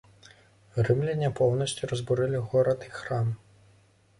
Рымляне поўнасцю разбурылі горад і храм.